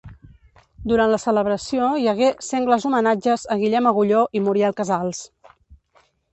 Durant la celebració hi hagué sengles homenatges a Guillem Agulló i Muriel Casals.